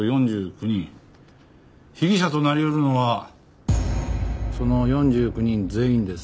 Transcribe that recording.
被疑者となり得るのはその４９人全員です。